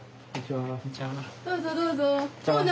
どうぞどうぞ。